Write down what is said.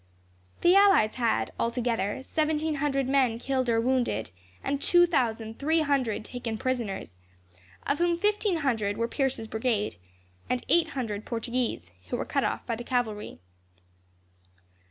The allies had, altogether, seventeen hundred men killed or wounded, and two thousand three hundred taken prisoners, of whom fifteen hundred were Pierce's brigade; and eight hundred Portuguese, who were cut off by the cavalry.